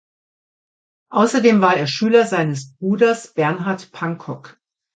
Außerdem war er Schüler seines Bruders Bernhard Pankok.